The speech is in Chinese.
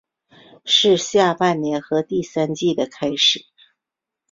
是下半年和第三季的开始。